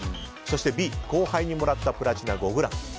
そしてＢ、後輩にもらったプラチナ５ｇ。